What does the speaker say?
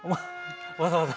わざわざ！